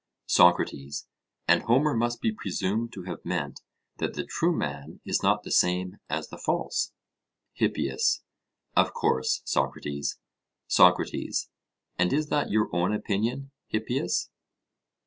SOCRATES: And Homer must be presumed to have meant that the true man is not the same as the false? HIPPIAS: Of course, Socrates. SOCRATES: And is that your own opinion, Hippias?